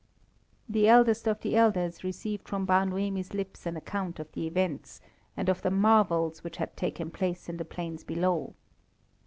The eldest of the elders received from Bar Noemi's lips an account of the events, and of the marvels which had taken place in the plains below.